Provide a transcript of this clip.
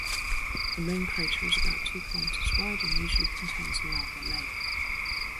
The main crater is about two kilometres wide and usually contains a lava lake.